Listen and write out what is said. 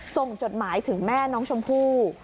จดหมายถึงแม่น้องชมพู่